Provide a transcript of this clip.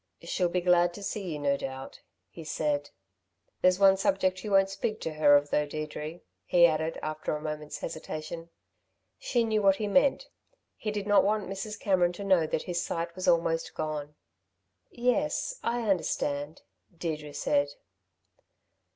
"She'll be glad to see you, no doubt," he said. "There's one subject you won't speak to her of, though, Deirdre," he added after a moment's hesitation. She knew what he meant. He did not want Mrs. Cameron to know that his sight was almost gone. "Yes, I understand," Deirdre said.